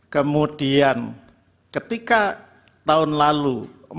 kemudian ketika tahun lalu